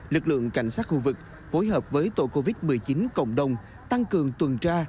lực lượng cảnh sát khu vực phối hợp với tổ covid một mươi chín cộng đồng tăng cường tuần tra